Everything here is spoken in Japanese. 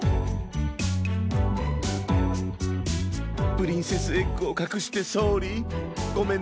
プリンセスエッグをかくしてソーリーごめんなさい。